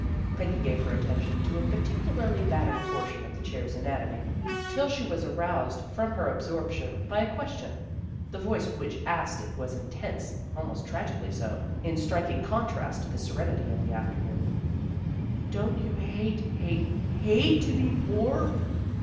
Peggy gave her attention to a particularly battered portion of the chair's anatomy, till she was aroused from her absorption by a ques tion. The voice which asked it was intense, almost tragically so, in striking contrast to the serenity of the afternoon. " Don't you hate, hate, hate to be poor?